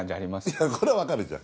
いやこれは分かるじゃん。